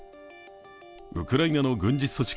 ウクライナの軍事組織